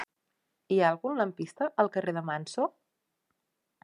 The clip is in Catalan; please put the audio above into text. Hi ha algun lampista al carrer de Manso?